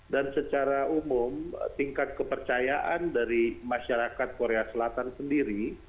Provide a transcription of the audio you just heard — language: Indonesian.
dan secara umum tingkat kepercayaan dari masyarakat korea selatan sendiri